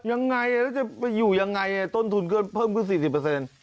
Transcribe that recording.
ยังไงแล้วจะไปอยู่ยังไงต้นทุนก็เพิ่มขึ้น๔๐